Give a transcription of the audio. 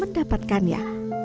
jangan dapatkan ya